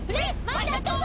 まさとも！